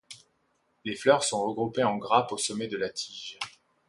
Les fleurs sont regroupées en grappes au sommet de la tige.